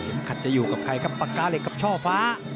ขัดจะอยู่กับใครครับปากกาเหล็กกับช่อฟ้า